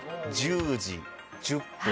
１０時１０分。